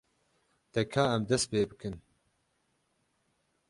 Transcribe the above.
De ka em dest pê bikin.